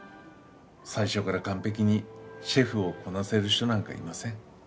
最初から完璧にシェフをこなせる人なんかいません。